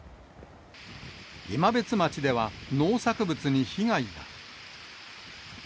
今別町では、農作物に被害が。